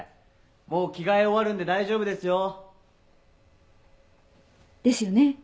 もう着替え終わるんで大丈夫ですよ。ですよね。